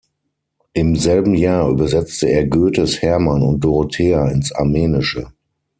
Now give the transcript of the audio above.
Im selben Jahr übersetzte er Goethes Hermann und Dorothea ins Armenische.